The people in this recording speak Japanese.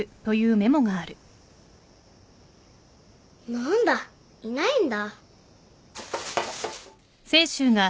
なんだいないんだ。